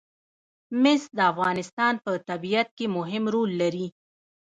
مس د افغانستان په طبیعت کې مهم رول لري.